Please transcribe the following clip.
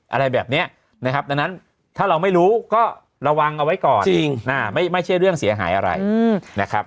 อะไรแบบนี้นะครับดังนั้นถ้าเราไม่รู้ก็ระวังเอาไว้ก่อนจริงไม่ใช่เรื่องเสียหายอะไรนะครับ